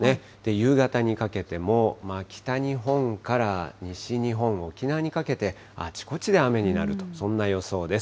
夕方にかけても、北日本から西日本、沖縄にかけて、あちこちで雨になると、そんな予想です。